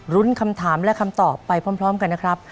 รุ้นคำถามและคำตอบไปพร้อมกันนะครับ